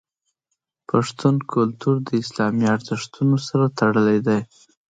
پښتون کلتور د اسلامي ارزښتونو سره تړلی دی.